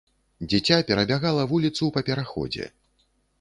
Дзіця перабягала вуліцу па пераходзе.